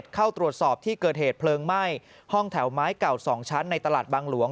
เข้าตรวจสอบที่เกิดเหตุเพลิงไหม้ห้องแถวไม้เก่า๒ชั้นในตลาดบางหลวง